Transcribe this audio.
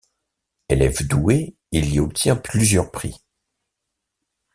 Élève doué, il y obtient plusieurs prix.